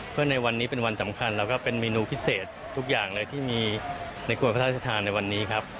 เพื่อในวันนี้เป็นวันสำคัญแล้วก็เป็นเมนูพิเศษทุกอย่างเลยที่มีในควรพระราชทานในวันนี้ครับ